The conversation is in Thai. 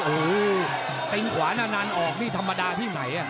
โอ้โหติ๊งขวานานออกนี่ธรรมดาที่ไหน